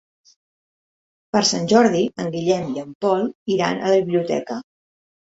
Per Sant Jordi en Guillem i en Pol iran a la biblioteca.